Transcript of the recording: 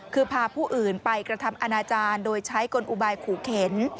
คือพาผู้อื่นไปกระทำอนาจารย์โดยใช้กลอุบายขู่เข็น